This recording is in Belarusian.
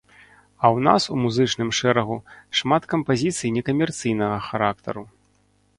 А ў нас у музычным шэрагу шмат кампазіцый некамерцыйнага характару.